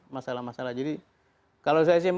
masalah masalah jadi kalau saya sih